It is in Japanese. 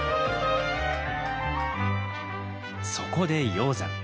そこで鷹山